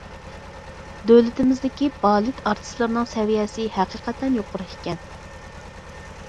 دۆلىتىمىزدىكى بالېت ئارتىسلىرىنىڭ سەۋىيەسى ھەقىقەتەن يۇقىرى ئىكەن.